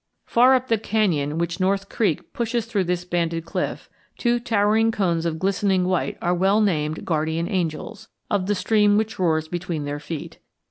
Far up the canyon which North Creek pushes through this banded cliff, two towering cones of glistening white are well named Guardian Angels of the stream which roars between their feet.